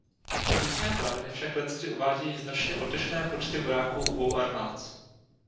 Různé prameny však leckdy uvádějí značně odlišné počty vojáků obou armád.